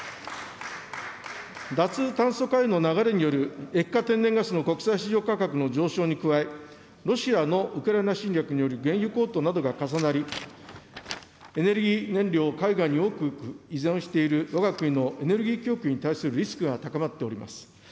脱炭素化への流れによる液化天然ガスの国際市場価格の上昇に加え、ロシアのウクライナ戦略による原油高騰などが重なり、エネルギー燃料を海外に多く依存しているわが国のエネルギー供給に対するリスクが高まっております。